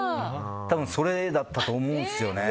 多分、それだったと思うんですよね。